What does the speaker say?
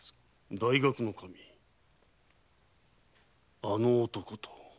大学頭あの男と。